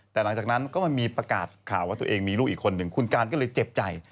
แต่หลังจากนั้นก็มันมีประกาศข่าวว่าตัวเองมีลูกอีกคนหนึ่งคุณการก็เลยเจ็บใจ